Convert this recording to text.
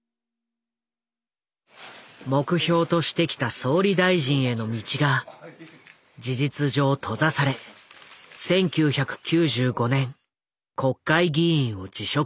目標としてきた総理大臣への道が事実上閉ざされ１９９５年国会議員を辞職する。